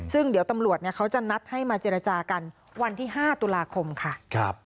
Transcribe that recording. ซึ่งเดี๋ยวตำรวจเขาจะนัดให้มาเจรจากันวันที่๕ตุลาคมค่ะ